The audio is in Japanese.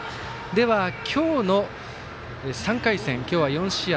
では、今日の３回戦今日は４試合。